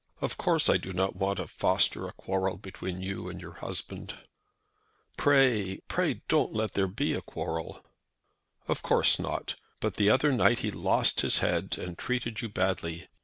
Of course I do not want to foster a quarrel between you and your husband." "Pray, pray don't let there be a quarrel." "Of course not. But the other night he lost his head, and treated you badly.